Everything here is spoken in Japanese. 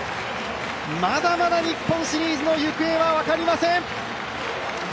まだまだ日本シリーズの行方は分かりません。